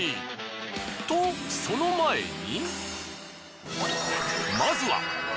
とその前に。